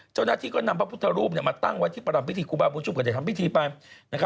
เจ้าหน้าที่ก็นำพระพุทธรูปมาตั้งไว้ที่ประรำพิธีครูบาบุญชุมก็ได้ทำพิธีไปนะครับ